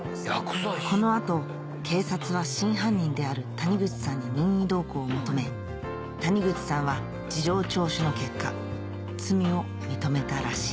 この後警察は真犯人である谷口さんに任意同行を求め谷口さんは事情聴取の結果罪を認めたらしい